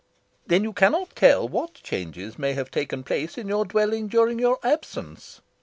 "Then you cannot tell what changes may have taken place in your dwelling during your absence?"